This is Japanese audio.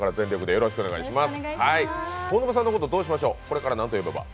よろしくお願いします。